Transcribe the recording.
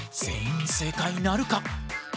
全員正解なるか？